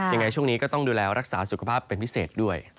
ยังไงช่วงนี้ก็ต้องดูแลรักษาสุขภาพเป็นพิเศษด้วย